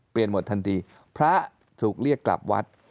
หมดทันทีพระถูกเรียกกลับวัด